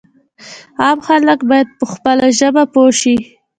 عام خلک باید په خپله ژبه پوه شي.